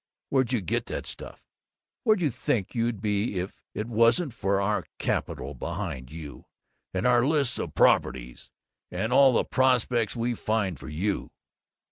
Where d' you get that stuff? Where d' you think you'd be if it wasn't for our capital behind you, and our lists of properties, and all the prospects we find for you?